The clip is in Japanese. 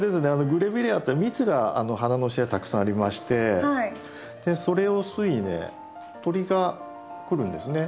グレビレアって蜜が花の下にたくさんありましてそれを吸いにね鳥が来るんですね。